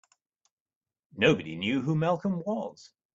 Nobody knew who Malcolm was.